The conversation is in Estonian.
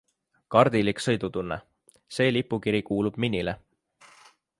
Kardilik sõidutunne - see lipukiri kuulub Minile.